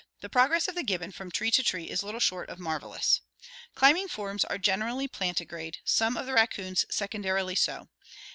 The progress of the gibbon from tree to tree is little short of marvelous (see page 649 and PI. XXVI). Climbing forms are generally plantigrade, some of the racoons secondarily so.